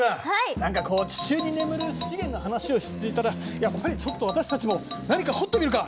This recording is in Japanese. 何かこう地中に眠る資源の話をしていたらやっぱりちょっと私たちも何か掘ってみるか！